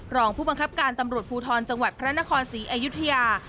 รองผู้บังคับการตำรวจภูทรจังหวัดพระนครศรีอยุธยา